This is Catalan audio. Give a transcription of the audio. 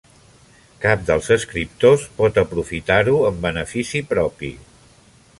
Cap dels escriptors pot aprofitar-ho en benefici propi.